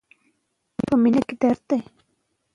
کله چې ښځې پوهاوی ولري، کورنۍ کمزورې نه کېږي.